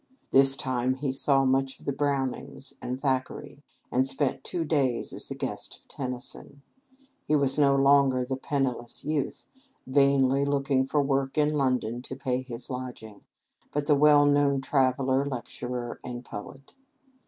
This time he saw much of the Brownings and Thackeray, and spent two days as the guest of Tennyson. He was no longer the penniless youth, vainly looking for work in London to pay his lodging, but the well known traveller, lecturer, and poet.